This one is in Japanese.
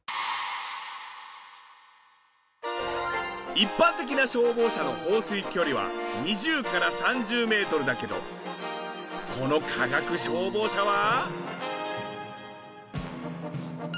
一般的な消防車の放水距離は２０から３０メートルだけどこの化学消防車は。